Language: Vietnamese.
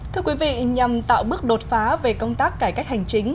thưa quý vị nhằm tạo bước đột phá về công tác cải cách hành chính